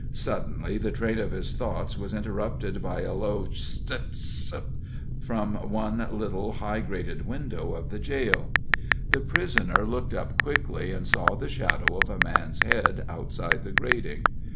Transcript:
Suddenly the train of his thoughts was interrupted by a low "stt stt" from the one little, high, grated window of the jail. The prisoner looked up quickly, and saw the shadow of a man's head outside the grating.